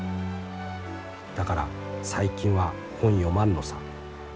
だから最近は本読まんのさ。